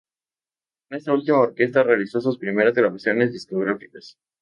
Con esta última orquesta realizó sus primeras grabaciones discográficas.